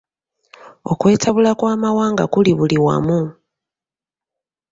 Okwetabula kw'amawanga kuli buli wamu.